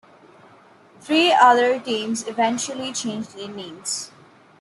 Three other teams eventually changed their names.